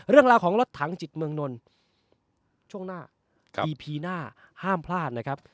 เรื่องราวของรถถังจิตเมืองนนท์ช่วงหน้าอีพีหน้าห้ามพลาดนะครับ